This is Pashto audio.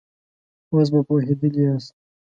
اوس به پوهېدلي ياست.